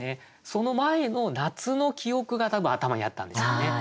その前の夏の記憶が多分頭にあったんですよね。